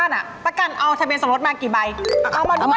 นะครับออกเขาด้วย